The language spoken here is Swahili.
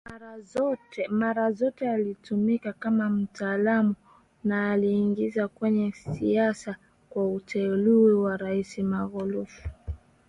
mara zote alitumika kama mtaalamu na aliingia kwenye siasa kwa kuteuliwa na Rais Magufuli